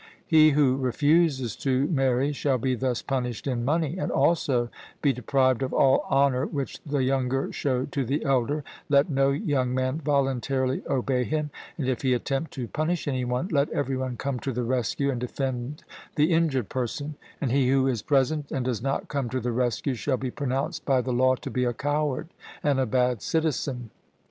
He who refuses to marry shall be thus punished in money, and also be deprived of all honour which the younger show to the elder; let no young man voluntarily obey him, and, if he attempt to punish any one, let every one come to the rescue and defend the injured person, and he who is present and does not come to the rescue, shall be pronounced by the law to be a coward and a bad citizen.